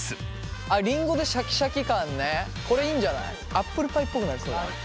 アップルパイっぽくなりそうだね。